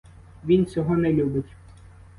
Він цього не любить.